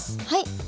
はい。